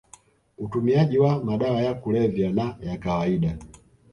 utumiaji wa madawa ya kulevya na ya kawaida